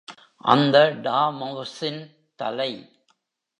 அந்த டார்மவுஸின் தலை!